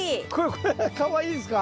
これがかわいいですか？